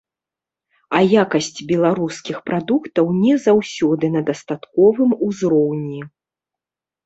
А якасць беларускіх прадуктаў не заўсёды на дастатковым узроўні.